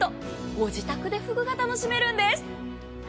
ご自宅で、ふぐが楽しめるんです。